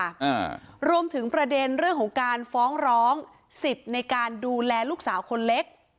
อ่ารวมถึงประเด็นเรื่องของการฟ้องร้องสิทธิ์ในการดูแลลูกสาวคนเล็ก